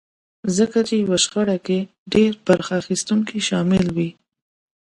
ځکه چې يوه شخړه کې ډېر برخه اخيستونکي شامل وي.